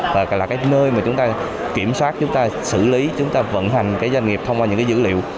và là nơi mà chúng ta kiểm soát chúng ta xử lý chúng ta vận hành doanh nghiệp thông qua những dữ liệu